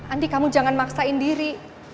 andi kamu jangan maksain diri